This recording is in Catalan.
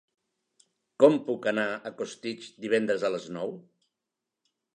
Com puc anar a Costitx divendres a les nou?